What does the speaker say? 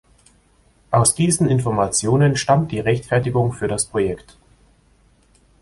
Aus diesen Informationen stammt die Rechtfertigung für das Projekt.